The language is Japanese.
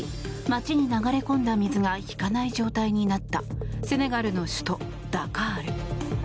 街に流れ込んだ水が引かない状態になったセネガルの首都ダカール。